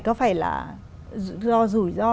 có phải là do rủi ro